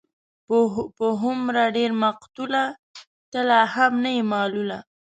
په هومره ډېر مقتوله، ته لا هم نه يې ملوله